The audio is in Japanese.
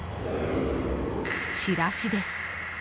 チラシです。